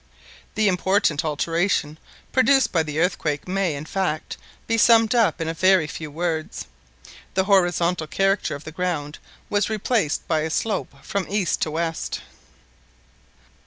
The important alteration produced by the earthquake may, in fact, be summed up in a very few words : the horizontal character of the ground was replaced by a slope from east to west.